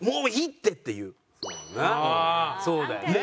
そうだよね。